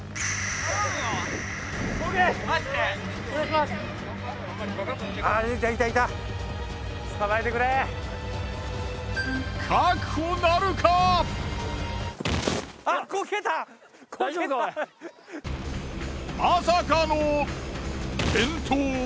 まさかの転倒。